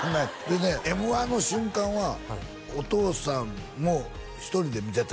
Ｍ−１の瞬間はお父さんも「１人で見てた」